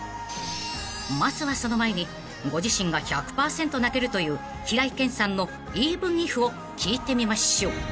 ［まずはその前にご自身が１００％泣けるという平井堅さんの『ｅｖｅｎｉｆ』を聴いてみましょう］